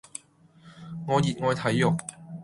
我熱愛睇肉